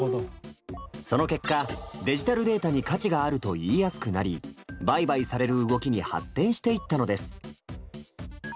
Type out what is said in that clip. その結果デジタルデータに価値があると言いやすくなり売買される動きに発展していったのです。